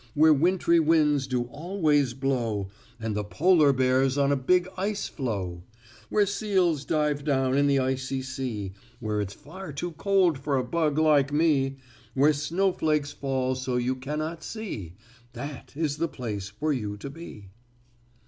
Where wintry winds do always blow, And the polar bear's on a big ice floe. "Where seals dive down in the icy sea, Where it's far too cold for a bug like me, Where snowflakes fall so you cannot see, That is the place for you to be."